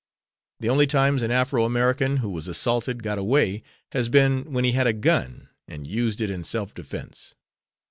The only times an Afro American who was assaulted got away has been when he had a gun and used it in self defense.